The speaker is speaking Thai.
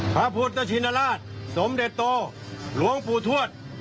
พระพุทธชินราชสมเด็จโตหลวงปู่ทวด